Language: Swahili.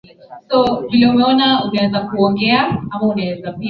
Yale azumngumzayo bwana Biko kwani yalikuwa yakifuatiliwa na wananchi wengi